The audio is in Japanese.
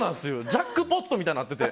ジャックポットみたいになってて。